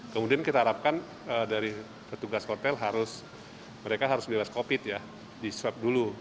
kemudian kita harapkan dari petugas hotel mereka harus bebas covid sembilan belas ya diswep dulu